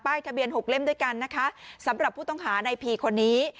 ทะเบียนหกเล่มด้วยกันนะคะสำหรับผู้ต้องหาในผีคนนี้